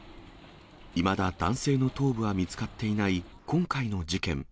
いまだ男性の頭部は見つかっていない今回の事件。